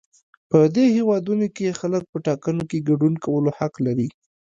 په دې هېوادونو کې خلک په ټاکنو کې ګډون کولو حق لري.